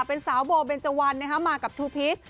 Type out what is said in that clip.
เป็นสาวโบเบนเจาันนะครับมากับทูพิค